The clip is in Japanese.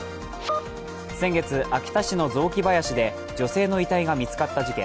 先月、秋田市の雑木林で女性の遺体が見つかった事件